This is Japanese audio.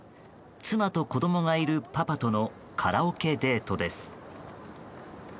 妻と子供がいるパパとのカラオケデートです。